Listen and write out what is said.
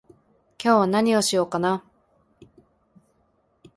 今日は何をしようかな